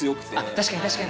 確かに確かに。